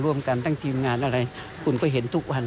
ร่วมกันทั้งทีมงานอะไรคุณก็เห็นทุกวัน